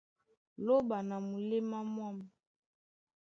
Lóɓa na muléma mwâm.